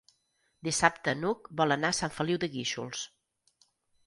Dissabte n'Hug vol anar a Sant Feliu de Guíxols.